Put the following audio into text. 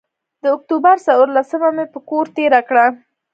د اکتوبر څورلسمه مې پر کور تېره کړه.